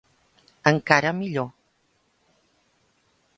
Encara millor.